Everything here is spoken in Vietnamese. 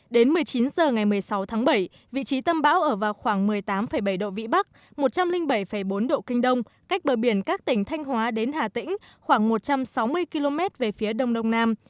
đến một mươi chín h ngày một mươi sáu tháng bảy vị trí tâm bão ở vào khoảng một mươi tám bảy độ vĩ bắc một trăm linh bảy bốn độ kinh đông cách bờ biển các tỉnh thanh hóa đến hà tĩnh khoảng một trăm sáu mươi km về phía đông đông nam